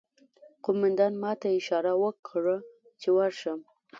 قومندان ماته اشاره وکړه چې ورشم